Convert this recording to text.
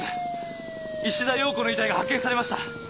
石田洋子の遺体が発見されました！